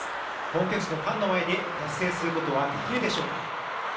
本拠地のファンの前で達成することはできるでしょうか。